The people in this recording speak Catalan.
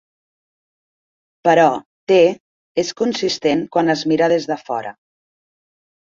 Però "T" és consistent quan es mira des de fora.